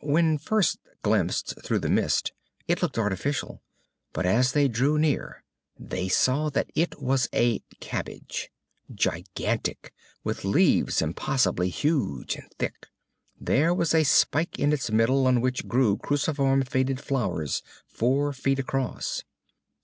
When first glimpsed through the mist, it looked artificial. But as they drew near they saw that it was a cabbage; gigantic, with leaves impossibly huge and thick. There was a spike in its middle on which grew cruciform faded flowers four feet across.